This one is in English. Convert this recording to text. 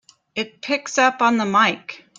It picks up on the mike!